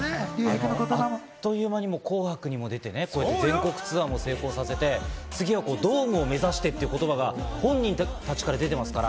あっという間に『紅白』に出て全国ツアーも成功させて次は「ドームを目指して」って言葉が本人たちから出てますから。